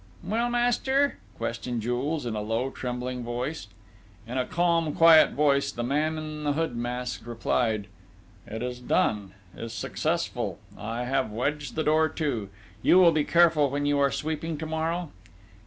"Well, master?" questioned Jules in a low, trembling voice. In a calm, quiet voice, the man in the hood mask replied: "It is done is successful.... I have wedged the door to. You will be careful when you are sweeping to morrow."